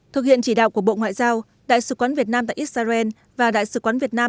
thực hiện chỉ đạo của bộ ngoại giao đại sứ quán việt nam tại israel và đại sứ quán việt nam